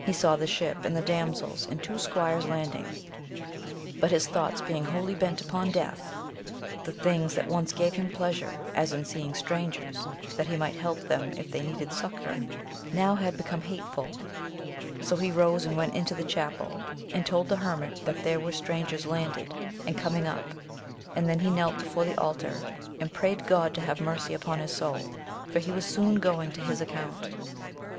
He saw the ship, and the damsels and two squires landing; but his thoughts being wholly bent upon death, the things that once gave him pleasure, as in seeing strangers, that he might help them if they needed succour, now had become hateful So he rose and went into the chapel, and told the hermit that there were strangers landed and coming up; and then he knelt before the altar, and prayed God to have mercy upon his soul, for he was soon going to his account.